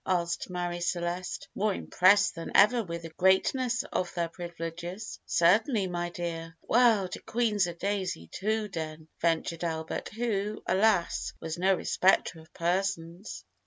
asked Marie Celeste, more impressed than ever with the greatness of their privileges. "Certainly, my dear." "Well, de Queen's a daisy too, den," ventured Albert, who, alas! was no respecter of persons.